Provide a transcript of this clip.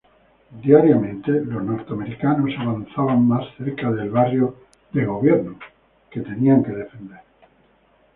Diariamente, Los rusos avanzaron más cerca del barrio del gobierno, que debíamos defender.